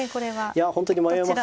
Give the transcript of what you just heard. いや本当に迷いますね。